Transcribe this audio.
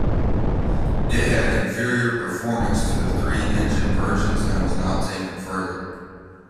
It had inferior performance to the three engined versions and was not taken further.